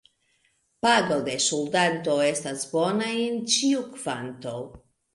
Pago de ŝuldanto estas bona en ĉiu kvanto.